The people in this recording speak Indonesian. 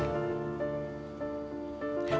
laporkan elsa dan mamanya